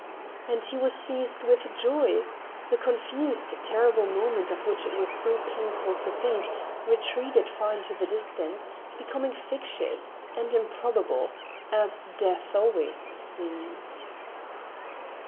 And he was seized with joy; the confused, terrible moment, of which it was so painful to think, retreated far into the distance, becoming fictitious and improbable, as death always seems.